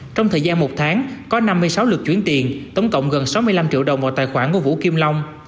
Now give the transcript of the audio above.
trong thời gian một tháng có năm mươi sáu lượt chuyển tiền tổng cộng gần sáu mươi năm triệu đồng vào tài khoản của vũ kim long